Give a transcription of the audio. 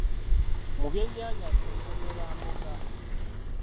Mu byennyanja nze mpoomerwa Mbogga.